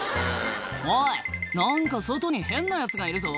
「おい何か外に変なやつがいるぞ」